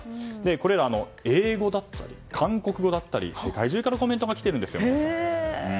これらは英語だったり韓国語だったり、世界中からコメントが来てるんですよ。